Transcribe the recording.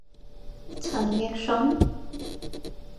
陳奕迅？